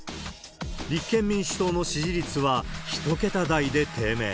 立憲民主党の支持率は１桁台で低迷。